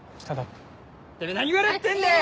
てめぇ何笑ってんだよ！